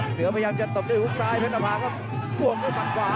เสือพยายามจะตบด้วยหุ้กซ้ายเพศรภาพกวงด้วยฝั่งขวา